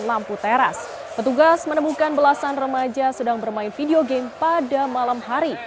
lampu teras petugas menemukan belasan remaja sedang bermain video game pada malam hari